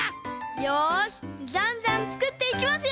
よしじゃんじゃんつくっていきますよ！